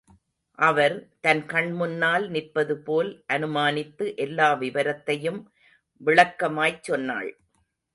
அவர், தன் கண் முன்னால் நிற்பது போல் அனுமானித்து எல்லா விவரத்தையும் விளக்கமாய்ச் சொன்னாள்.